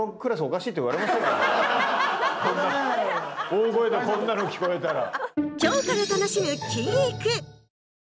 大声でこんなの聞こえたら。